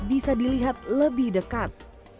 bisa dilihat lebih dekat